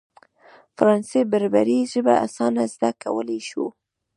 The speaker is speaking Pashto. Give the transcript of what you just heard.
فرانسې بربري ژبه اسانه زده کولای شو.